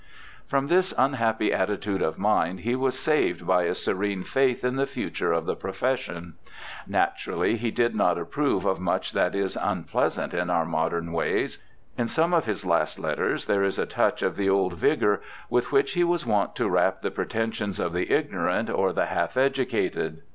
From this unhappy attitude of mind he was saved by a serene faith in the future of the profession. Naturally ALFRED STILLE 245 he did not approve of much that is unpleasant in our modern ways. In some of his last letters there is a touch of the old vigour with which he was wont to rap the pretensions of the ignorant or the half educated.